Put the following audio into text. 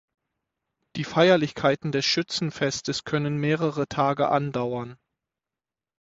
Die Feierlichkeiten des Schützenfestes können mehrere Tage andauern.